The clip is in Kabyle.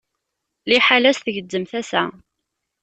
Liḥala-s tgezzem tasa.